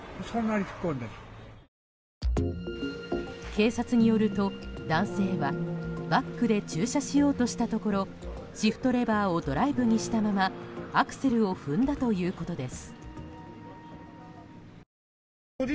警察によると男性はバックで駐車しようとしたところシフトレバーをドライブにしたままアクセルを踏んだということです。